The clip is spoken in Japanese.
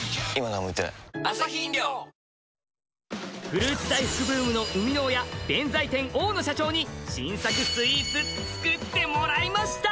フルーツ大福ブームの生みの親弁才天大野社長に新作スイーツつくってもらいました！